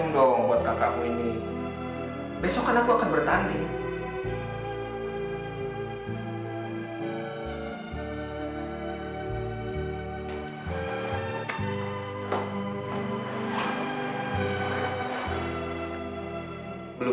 loh kue putuhnya kan aku makan sendiri